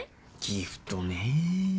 ギフトね。